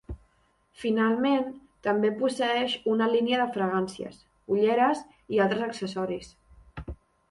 Finalment, també posseeix una línia de fragàncies, ulleres i altres accessoris.